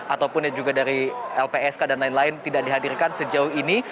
ataupun juga dari lpsk dan lain lain tidak dihadirkan sejauh ini